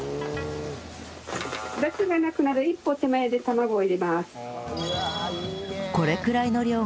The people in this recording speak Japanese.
ダシがなくなる一歩手前で卵を入れます。